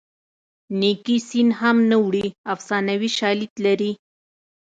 نیکي سین هم نه وړي افسانوي شالید لري